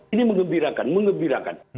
ini mengembirakan mengembirakan